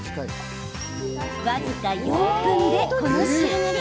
僅か４分でこの仕上がり。